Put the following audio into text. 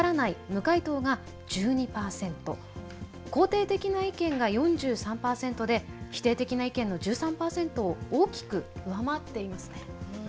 肯定的な意見が４３％で否定的な意見の１３％を大きく上回っていますね。